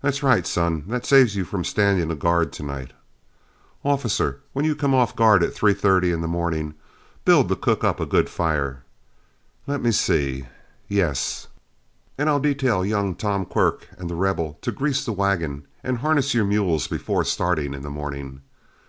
That's right, son that saves you from standing a guard tonight. Officer, when you come off guard at 3.30 in the morning, build the cook up a good fire. Let me see; yes, and I'll detail young Tom Quirk and The Rebel to grease the wagon and harness your mules before starting in the morning.